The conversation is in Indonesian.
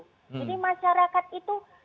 jadi masyarakat itu